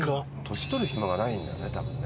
年取る暇がないんだね多分ね。